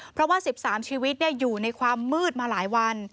เพราะว่า๑๓ชีวิตอยู่ในความมืดมาหลายวัน